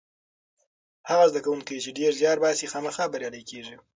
هغه زده کوونکی چې ډېر زیار باسي خامخا بریالی کېږي.